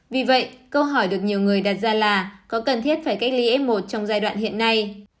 vì vậy câu hỏi được nhiều người đặt ra là có cần thiết phải cách ly f một trong giai đoạn hiện nay